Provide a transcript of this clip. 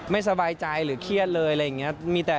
ไม่สบายใจหรือเครียดเลยอะไรอย่างนี้